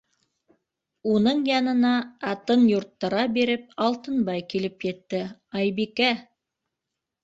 Уның янына, атын юрттыра биреп, Алтынбай килеп етте: - Айбикә!